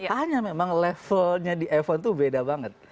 hanya memang levelnya di f satu itu beda banget